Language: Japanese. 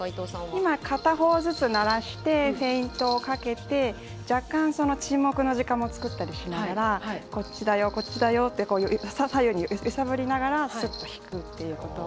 今、片方ずつ鳴らしてフェイントをかけて若干沈黙の時間も作ったりしながらこっちだよ、こっちだよって左右に揺さぶりながらすっと引くということを。